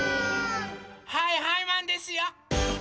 はいはいマンですよ！